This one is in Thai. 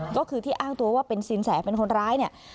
ก็คือที่อ้างตัวว่าเป็นสินแสเป็นคนร้ายเนี่ย